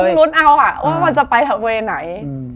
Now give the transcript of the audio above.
ก็ต้องลุ้นเอาอ่ะว่ามันจะไปทางไหน